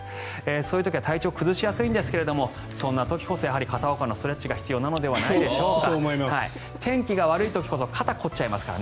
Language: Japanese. そういう時は体調を崩しやすいんですがそんな時こそやはり片岡のストレッチが必要なのではないでしょうか。